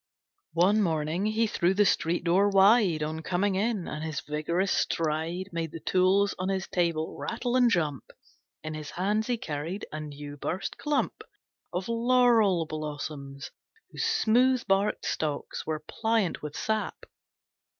One morning he threw the street door wide On coming in, and his vigorous stride Made the tools on his table rattle and jump. In his hands he carried a new burst clump Of laurel blossoms, whose smooth barked stalks Were pliant with sap.